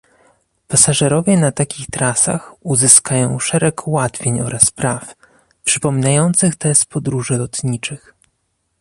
Pasażerowie na takich trasach uzyskają szereg ułatwień oraz praw, przypominających te z podróży lotniczych